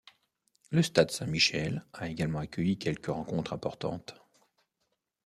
Le stade Saint-Michel a également accueilli quelques rencontres importantes.